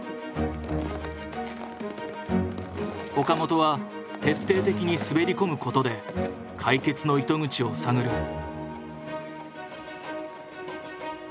岡本は徹底的に滑り込むことで解決の糸口を探る。